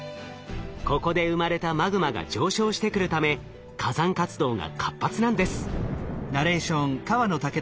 ここで生まれたマグマが上昇してくるため火山活動が活発なんです。